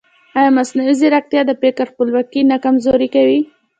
ایا مصنوعي ځیرکتیا د فکر خپلواکي نه کمزورې کوي؟